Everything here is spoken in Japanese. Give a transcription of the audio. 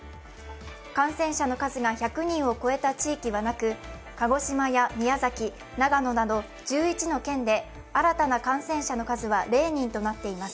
感染者の吸うが１００人を超えた地域はなく、鹿児島や宮崎、長野など１１の県で新たな感染者の数は０人となっています。